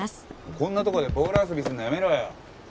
こんなとこでボール遊びするのやめろよ。